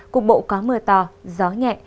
cục bộ có mưa to gió nhẹ